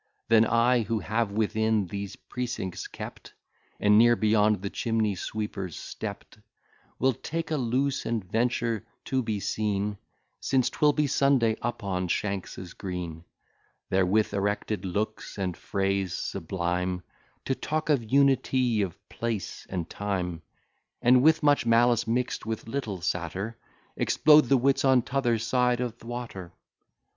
Then I, who have within these precincts kept, And ne'er beyond the chimney sweeper's stept, Will take a loose, and venture to be seen, Since 'twill be Sunday, upon Shanks's green; There, with erected looks and phrase sublime, To talk of unity of place and time, And with much malice, mix'd with little satire, Explode the wits on t'other side o' th' water.